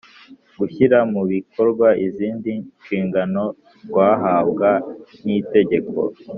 gushyira mu bikorwa izindi nshingano rwahabwa n’itegeko.